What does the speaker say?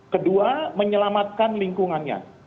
kedua menyelamatkan lingkungannya